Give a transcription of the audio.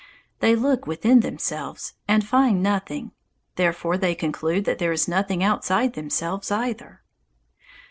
They look within themselves and find nothing! Therefore they conclude that there is nothing outside themselves, either.